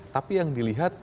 tapi yang dilihat